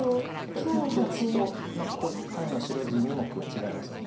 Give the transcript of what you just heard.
切っておくとここ下辺の白地２目違いますもんね。